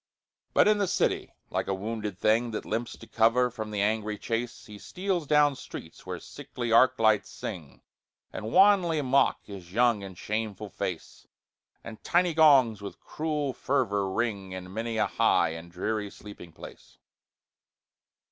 But in the city, like a wounded thing That limps to cover from the angry chase, He steals down streets where sickly arc lights sing, And wanly mock his young and shameful face; And tiny gongs with cruel fervor ring In many a high and dreary sleeping place.